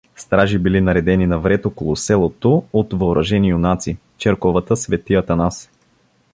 Стражи били наредени навред около селото, от въоръжени юнаци, черковата „Св. Атанас“.